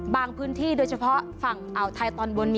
พื้นที่โดยเฉพาะฝั่งอ่าวไทยตอนบน